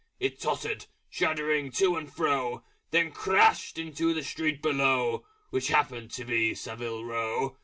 It tottered, shuddering to and fro, Then crashed into the street below Which happened to be Savile Row.